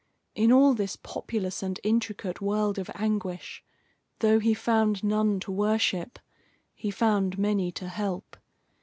In all this populous and intricate world of anguish, though he found none to worship, he found many to help.